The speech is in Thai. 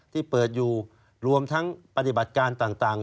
ที่เปิดอยู่รวมทั้งปฏิบัติการต่าง